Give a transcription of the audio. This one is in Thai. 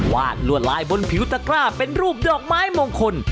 วาดลวดลายบนผิวตะกร้าเป็นรูปดอกไม้มงคล